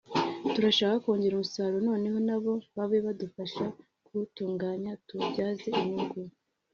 turashaka kongera umusaruro noneho na bo babe badufasha kuwutunganye tuwubyaza inyungu”